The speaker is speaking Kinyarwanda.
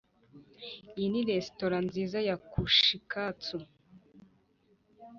iyi ni resitora nziza ya kushikatsu